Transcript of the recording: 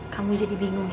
kamu jadi bingung ya